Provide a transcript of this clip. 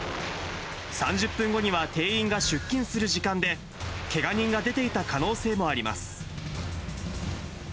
３０分後には店員が出勤する時間で、けが人が出ていた可能性もあります。